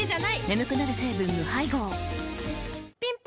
眠くなる成分無配合ぴん